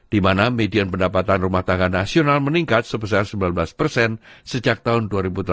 dimana median pendapatan rumah tangga nasional meningkat sebesar sembilan belas sejak tahun dua ribu delapan belas sembilan belas